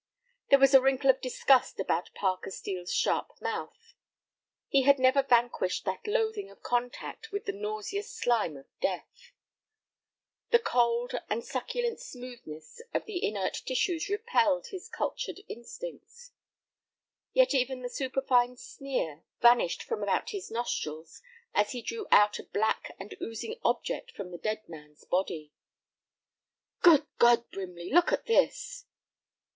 There was a wrinkle of disgust about Parker Steel's sharp mouth. He had never vanquished that loathing of contact with the nauseous slime of death. The cold and succulent smoothness of the inert tissues repelled his cultured instincts. Yet even the superfine sneer vanished from about his nostrils as he drew out a black and oozing object from the dead man's body. "Good God, Brimley, look at this!"